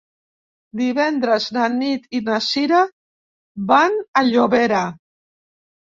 Divendres na Nit i na Sira van a Llobera.